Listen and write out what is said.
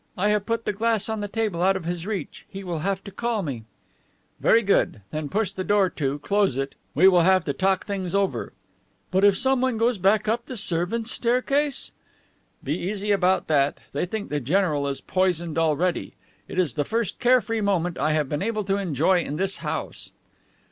I have put the glass on the table, out of his reach. He will have to call me." "Very good. Then push the door to, close it; we have to talk things over." "But if someone goes back up the servants' staircase?" "Be easy about that. They think the general is poisoned already. It is the first care free moment I have been able to enjoy in this house."